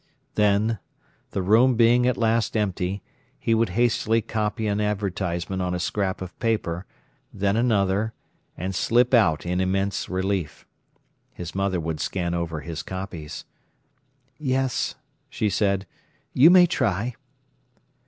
Then, the room being at last empty, he would hastily copy an advertisement on a scrap of paper, then another, and slip out in immense relief. His mother would scan over his copies. "Yes," she said, "you may try."